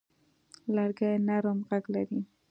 لرګی نرم غږ لري.